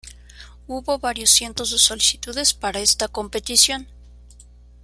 Hubo varios cientos de solicitudes para esta competición.